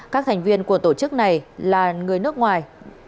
các thành viên của tổ chức này là người nước ngoài